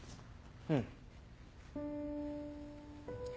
うん。